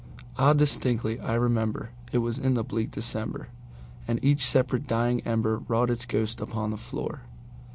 Ah, distinctly I remember it was in the bleak DecemberAnd each separate dying ember wrought its ghost upon the floor.